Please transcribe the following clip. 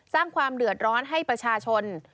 สร้างความเดือดร้อนให้ประชาชน